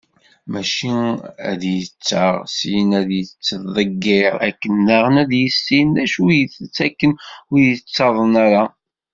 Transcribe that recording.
Mačči ad d-yettaɣ, syin ad yettḍeggir, akken daɣen ad yissin d acu i itett akken ur yettaḍen ara.